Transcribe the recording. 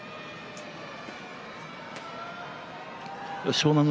湘南乃